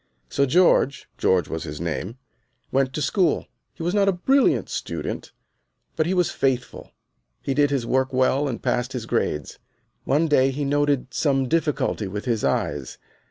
So George (George was his name) went to school. He was not a brilliant student, but he was faithful, he did his work well and passed his grades. One day he noted some difficulty with his eyes.